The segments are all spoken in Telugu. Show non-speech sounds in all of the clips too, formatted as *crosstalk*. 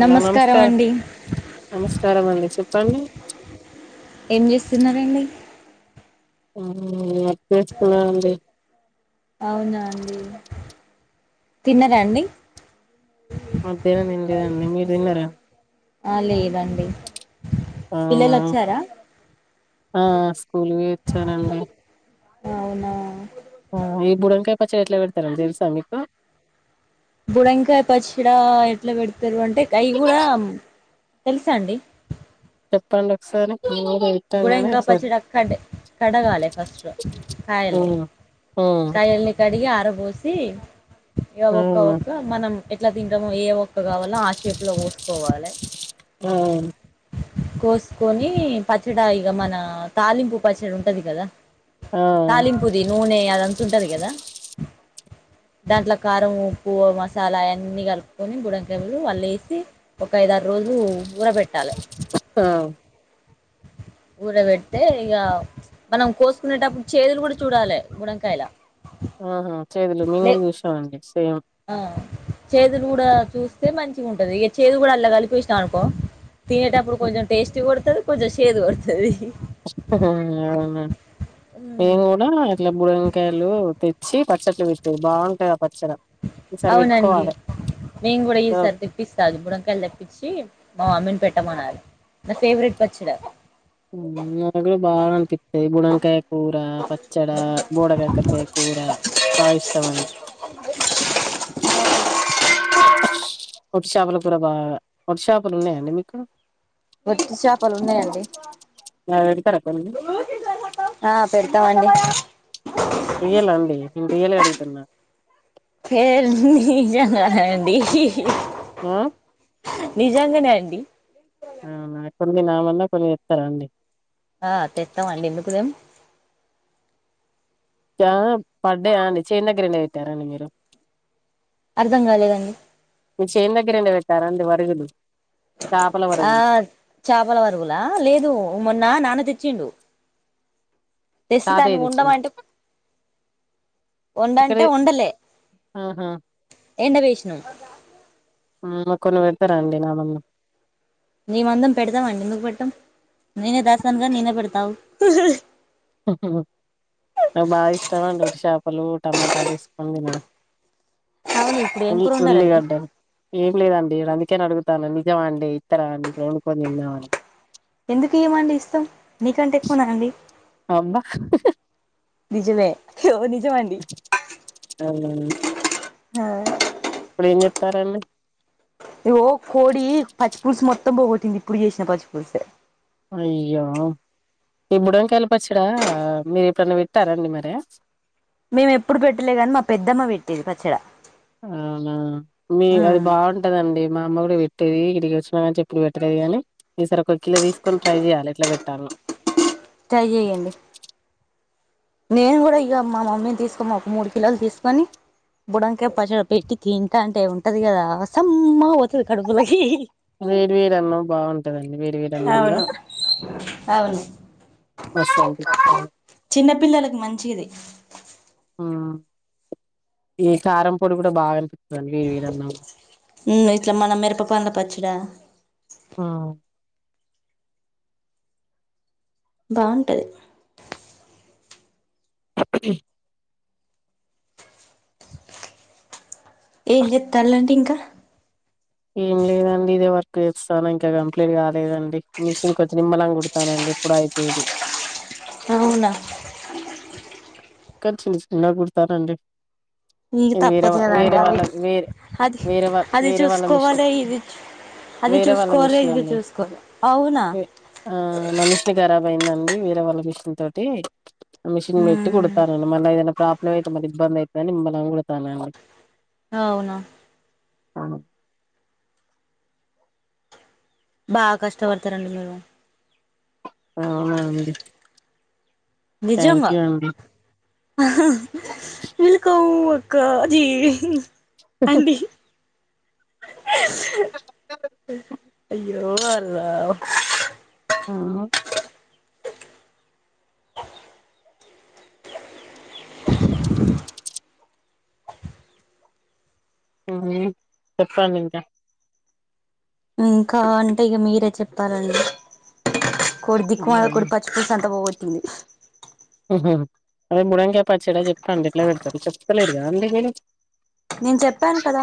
అలా నమస్కారం నమస్కారం అండి చెప్ తం ఏం జేస్తున్నారండి ఉం అప్పస్తున్నాండి అవునా అండి తిన్నరాండి అదేనం లేదండి మీరు తిన్నారా ఆ లేదండి పిల్లలు అవునా వచ్చారా ఆ స్కూల్వి ఇచ్చారండి అవునా ఏ బుడాకా పచ్చ ఎట్లా పెడతారండి తెలుసా మీకు బుడంకాయ పచ్చిడా ఎట్లా వెడతరు అంటే అవి గూడా తెలుసా అండి చెప్పండి ఒకసారి మేము కూడా పెట్టాం గుడ గాని ఇంకా ఒకసారి పచ్చడి క కడగాలి ఫస్ట్ కాయల్ని మ్మ్ మ్మ్ కాయల్ని కడిగి ఆ అత బోసి ఇఅ ఒక్క అవునా ఒక్క మనం ఎట్లా తింటము ఏ ఒక్క కావాలో ఆషేపు లో కోస్కోవాలె ఆ కోసుకొని పచ్చడ ఇగ మన తాలింపు పచ్చడ ఉంటది కదా ఆ ఆ తాలింపుది నూనె అదం తా ఉంటది కదా దాంట్లో కారం ఉప్పు మసాలా అయిన్నీ కలుపుకొని బుడంకాయలు అళ్ళ ఏసి ఒక ఐదారు రోజులు ఉఊరబెట్టాలి ఆ ఊరవెడితే ఇగ మనం కోసుకునేటప్పుడు చేదులు కూడ చూడాలే బుడంకాయల అహా చేదులు మేము లే కూడా చూసినమండి ఆ చేదులు గూడా చూస్తే మంచిగుంటది ఇగ చేదు కూడా అల్లా కలిపేశినవ్ అనుకో తినేటప్పుడు కొంచెం టేస్టీ కొడ్తది కొంచె శాదు గొడ్తది అవున మేం గూడా అట్ల బుడమకాయలు తెచ్చ్ వచ్చి పచ్చట్ లు పెట్టి బాగుంటాయి పచ్చడ ఈసారి అవునండి పెట్టుకోవాలి మేము కూడా ఈసారి తెప్పిస్తా బుడంకాయలు తెప్పించి మా మమ్మీని పెట్ట మనాలి నా ఫేవరెట్ పచ్చడ ఉమ్ నాక్గూడ బాగా అనిపిత్తాయి బుడంకాయ కూర పచ్చడ బోడకాక్కరకాయ కూర బాగా ఇష్టం అండి వట్టి షాపల కూర బా వట్టి షాపలు ఉన్నాయండి మీకు వట్టి షాపలు ఉన్నాయండి నాకు పెడతారా కొన్ని ఆ పెడతామండి రియలా అండి నేను రియలే అడుగుతున్నా ఏ నిజంగానే అండి ఉమ్ నిజంగానే అండి అవునా కొన్ని నామందం కొన్ని తెస్తారా అండి ఆ తెత్తాం అండి ఎందుకు తేమ్ ఆ పడ్డాయా అండి చేను దగ్గర ఎండ వెట్టారా అండి మీరు అర్ధం కాలేదండి మీ చేన్ దగ్గర వెట్టారా అండి వా తెగలు ఆ చాపల వరుగులా లేదు మొన్న నా న్న తెచ్చిండు తెస్తే దాన్ని తాతయ్య తెచ్చిండు వండమంటే వండంటే ఇక్కడే వండలే ఆహా ఎండ వేషినం ఉమ్ కొన్ని పెడతార అండి నా మందం నీ మందం పెడదామండి ఎందుకు పెట్టాం నేనే దాస్తానుగా నేనే పెడతా అవు నాకు బాగా ఇష్టం అండి వట్టి షాపలు టమాటాలు ఏసుకోని తినడం అవును ఇప్పుడు ఏం ఉల్ కూర వండారండి ఉల్లిగడ్డ ఏమ్ లేదను నేను అందుకే అడుగుతాను నిజమా అండి ఇత్తర అండి ఇప్పుడు వండుకొని తిన్దామని ఎందుకు ఇయ్యమండి ఇస్తాం నీకంటే ఎక్కువ న అండి అబ్బా నిజమే ఓ నిజ ఇప్పుడ ఏం చెత్తారండి ఇగో కోడి పచ్చిపుులుసు మొత్తం పోగొటింది ఇప్పుడు చేసిన పచ్చిపుులుసే అయ్యో ఇప్పుడకి వెళ్ళపచ్చడా మీరు ఎప్పుడైనా విట్టారండి మరి మేము ఎప్పుడు పెట్టలే కానీ మా పెద్దమ్మ పెట్టేది పచ్చడ అవునా మీ అది ఉమ్ బాగుంటదండి మా అమ్మ కూడ పెట్టేది ఇక్కడికి వచ్చిన కా ఎప్పుడు పెట్టలేదు కానీ ఈసారి ఒక కిలో తీసుకొని ట్రై చేయాలి ఎట్ల పెట్టల్నో ట్రై జేఎండీ నేను కూడా ఇగ మా మమ్మీని తీసుకోమన్న ఒక మూడు కిలోలు తీసుకొని బుడంకాయ పచ్చడ పెట్టి తింటాంటే ఉంటది కదా సమ్మగా పోతది కడుపులకి వేడి వేడి అన్నం బాగుంటదండి వేడి వేడి అన్నంల అవును అవును మస్తు ఉంటది కు మంచిది ఉమ్ ఈ కారం పొడి కూడా బాగా అనిపిస్తదండి వేడి వేడన్నం ఉమ్ ఇట్లా మన మిరప పండ్ల పచ్చడా ఆ బావుంటది ఏ చెత్తలండింకా ఏం లేదండి ఇదే వర్క్ చేస్తాను ఇంకా కంప్లీట్ కాలేదండి మిషన్ కొంచ నిమ్మల కుడతానండి ఇప్పుడు అయిపోయేది అవున కాద చిన్ చిన్నాగ కుడతారండి మీకు తప్పదు కదండి అది వేరే అది వేరే వాళ్ళ అది వేరే వాళ్ళ మిషన్ చూసుకోవాలి ఇది అది వేరే వాళ్ళ చూసుకోవాలి మిషన్ ఇది అండి చూసుకోవాలి అవున పోయిందండి వేరే వాళ్ళ మిషన్ తోటి ఆ మిషన్ పెట్టి కుడ్ ఉమ్ మళ్ళ ఏదైన ప్రాబ్లమ్ అయితే మళ్ళ ఇబ్బంది అవుతుందని నిమ్మలంగ్ కుడతాన అవున అవును బాగా కష్టపడతారండి మీరు అవునండి థ్యాంక్ నిజంగా యూ అండి వెల్కమ్ అక్క జి అండి అయ్యో అల్లా ఆ ఆ చెప్పాలింక్ ఇంకా అంటే ఇగ మీరే చెప్పాలండి కొడి దిక్కుమలిన ఉమ్. కొడి పచ్చి పల్స్ అంత పోగొట్టింది ఉమ్మ్ అదే బుదంకై పచ్చిడ చెప్పండి ఇట్ల పెడతా చెప్తల్లెద్ యంద గినోచ్ నేను చెప్పను కద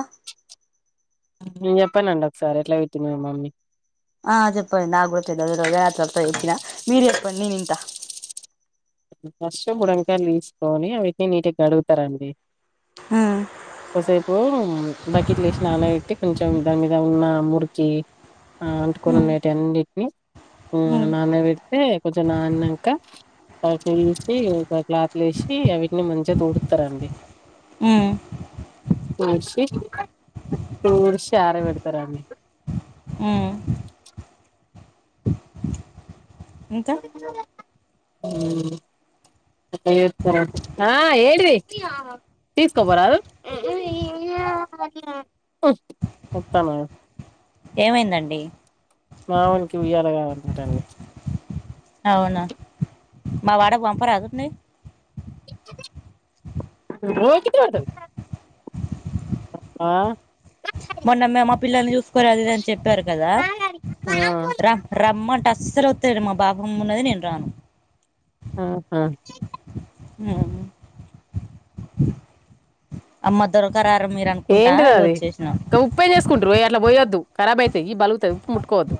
నేను చెప్పానండి ఒకసారి ఎట్లా అవుతుంది మమ్మీ ఆ చెప్పండి నాకు కూడా పెద్దది రోజ ఆరు తరత ఎత్తిన మీరు చెప్పండి నేను ఇంత ఫస్ట్ బుడకాయలు తీసుకొని అవిటిని నీటికి అడుగుతారంండి ఉమ్ ఒకసేపు బకెట్ లేసి నాన కొంచం దాని మీద ఉన్న మురికి ఆ అంటకున్నా ఉమ్ నటి ఎన్ని మీ నే ర ఏ కొంచం నాన్నంకా అ వసి ఒక క్లాత్లు వేసి అీటిని మంచిగ తూడుస్తారండి హమ్ తూర్చి తూర్చ అరపేడతరాండి ఉమ్ ఇంకా కొ హమ్ ఎట్ల చెత్తారు ఏమైందండి ట్టానికి అవునా మా వాడకు పంప రాదుతుంది రో ఉంటంది ఆ మొన్న మే మా పిల్లల్ని చూసుకో అది ఏది అని చెప్పారు కదా రమ్ రామన్ టసర్ అవుతడు మా బాబమ్ ఉన్నది నేను రాను ఆహా ఆ అమ్మ దొరక ఏంటిద అది ఇంకా ఉప్పేం చేసుకుంట్ర అట్లా పోయొద్దు ఖరాబ్ అయితాది ఈ బలుగుత ఉప్పు ముట్కోవద్దు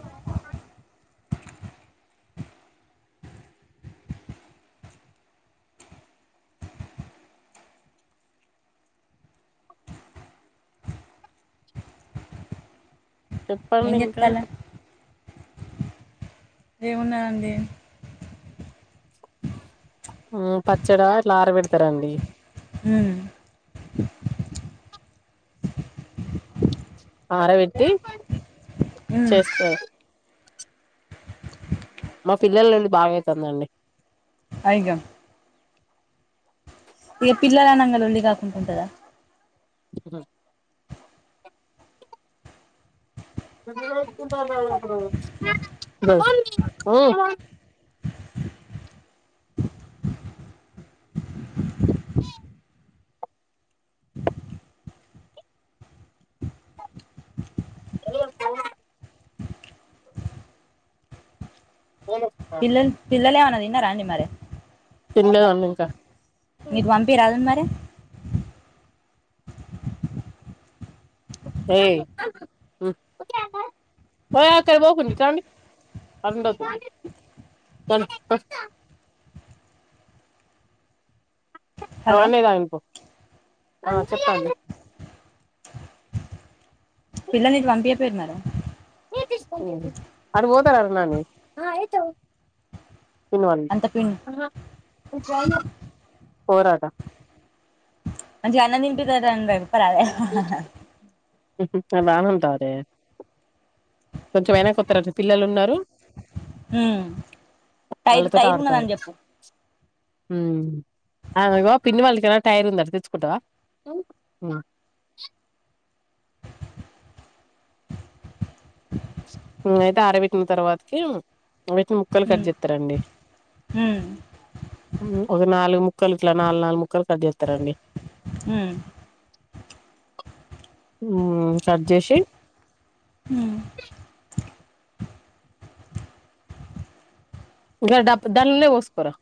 చెప్పండి ఇంకా ఏముండదండీ పచ్చడి ఇట్లా ఆరబెడతారాండి హ ఆర విట్టి ఉమ్ చేస్తారు మా పిల్లల నుండి బాగాయితుందండి అగా ఇక పిల్లలనాంగ ఉల్లి కాకుంంటదా స మమ్మీ ఎ ఎ ఉమ్ పిల్ పిల్లలునా న్న రాంటి మార తినలేదాండి ఇంకా మీకు పంపి రాద మరి ఏ ఉమ్ ఓయ్ అకాడికి పోకాండి ఇకడికి రాండి హలో వానె థాను పో ఆ చెప్పండి పిల్లనిటి పంపయపోయరు మేడం అడి పోతారు అన్నా పిన్వండి అంత పిన్ పోరాట మంచి అన్న తింటురన్ అండి పదే అ వానంటదే కొంచం అయినా కొత్తార పిల్లలు ఉన్నారు హ టైర్ టైర్ ఉన్నదని చెప్పు అనగ పిన్ని వాళ్ళకిలా టైర్ ఉంద తెచ్చుకుంటావా ఉమ్ అయితే అరబెట్టిన తర్వాతకి వటిన ముక్కలు కట్ హ్మ్. చేస్తారండి హ్మ్. ఉమ్ ఒక నాలుగు ముక్కలు ఇట్లా నాలుగు నాలుగు ముక్కలు కట్ చేస్తారండి హ్మ్ ఉమ్ కట్ చేసి హ్మ్. గా డాబ్పు ధన్లోన్ పోస్కోని రా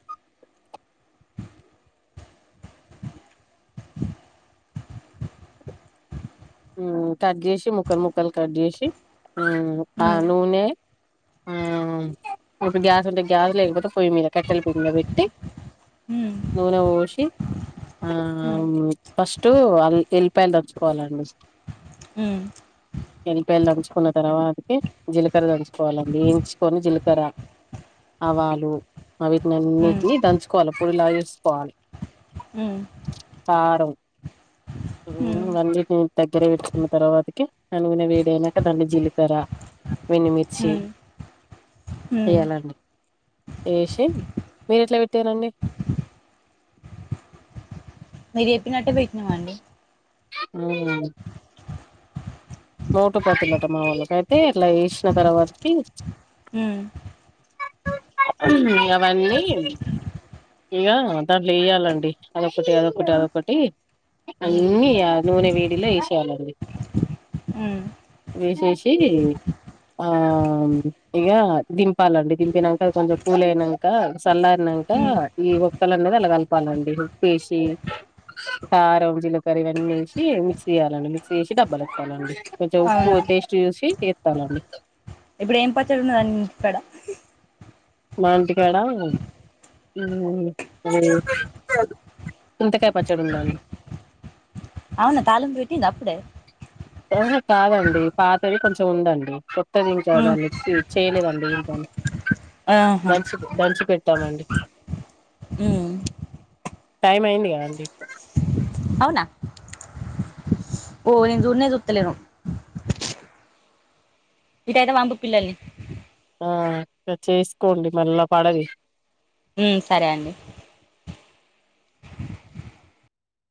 ఉమ్ కట్ చేసి ముక్కల్ ముక్కల్ కట్ చేసి ఆ టా హ్మ్. నూనె ఆ ఇప్పుడు గ్యాస్ ఉంటే గ్యాస్ లేకపోతే పొయ్యి మీద కట్టెల పొయ్యి మీద పెట్టి హ్మ్. నూనె పోషి ఆ హ్మ్. హ్మ్. అవును ఫస్ట్ల్ ఎల్లిపాయైన తెచ్చుకోవాలండి ఉమ్ ఎల్లిపాయలు దడుచుకున్న తర్వాతకి జీలకర్ర దడుచుకోవాలండి ఎంచుకొని జీలకర్ర ఆవాలు వా వీటిని అన్నిటిని దంచుకోవాలి పల్యస్ పాల్ ఉమ్ తారు హ్మ్. ఉమ్ అండి దగ్గరే పెట్టుకున్న తర్వాతకి ననగున వేడి అయినాక దాన్ని జీలిపారా వెన్నిమిర్చి హ్మ్. హ్మ్. చెయ్యాలండి ఏసి మీరు ఎట్లా పెట్టారంండి మెరి చాపినట్ పయిటినమ అండీ ఉమ్ మోటుపతులట మా వాళ్ళకి అయితే ఇట్లా వేసిన తర్వాత కి హ్మ్. అవన్నీ ఇక దాంట్లో వేయాలండి అదొకటి అదొకటి అదొకటి అ హ్మ్. ఇన్ని నూనె వేడిలో వేసేయాలండి ఉమ్ వేసేసి ఆ ఇగా దింపాలండి దింపినంక కొంచెం కూలయినంక సల్లారినంక హ్మ్. ఈ ఒక్కలు అన్నది అల్ల కలపాలండి ఉప్పేసి కారం జీలకర్ర ఇవన్నీ ఎసి మిక్స్ చేయ్యాలండి మిక్స్ చేసి డబ్బలు ఎత్తుకోవాలండి కొంచెం ఉప్పు అవునా! టేస్ట్ చూసి పరారీ ఇప్పుడేం పచ్చడి ఉన్నదండి ఇంటికాడ? మా ఇంటికాడ *unintelligible* చింతకాయ పచ్చడి ఉందాండి అవునా తాలింపు వేట్టింద అప్పుడే ఆహా కాదండి పాతది కొంచెం ఉందండి *unintelligible* హ్మ్. చారనికి చేలి వందిరు పని ఆహా! మంచిది దంచి పెట్టమండి ఉమ్ టైం అయింది కదా అండి అవునా ఓ ని సుడానే చూతలే ఇద అతే వాంపుల్నే ఆ ఇ చేసుకోండి మళ్ళా పడది ఉమ్ సరే అండి